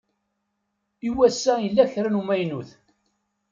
I wass-a yella kra n umaynut